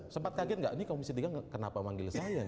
sempat kaget gak ini komisi tiga kenapa manggil saya nih